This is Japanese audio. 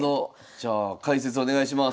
じゃあ解説お願いします。